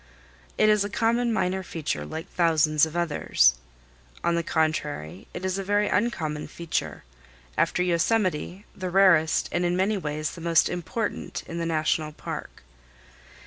"It is a common minor feature, like thousands of others." On the contrary it is a very uncommon feature; after Yosemite, the rarest and in many ways the most important in the National Park.